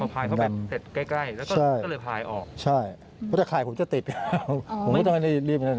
อ๋อพอพายเข้าแบบเก็บใกล้แล้วคุณก็เลยพายออก